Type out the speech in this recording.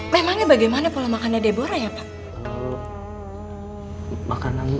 memangnya bagaimana pola makannya debora ya pak